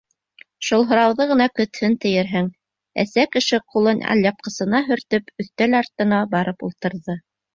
Шул һорауҙы ғына көткән тиерһең, әсә кеше ҡулын алъяпҡысына һөртөп, өҫтәл артына барып ултырҙы.